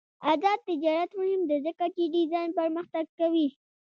آزاد تجارت مهم دی ځکه چې ډیزاین پرمختګ کوي.